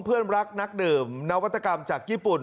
เพื่อนรักนักดื่มนวัตกรรมจากญี่ปุ่น